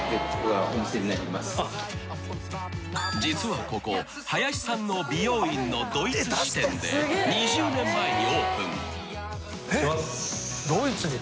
［実はここ林さんの美容院のドイツ支店で２０年前にオープン］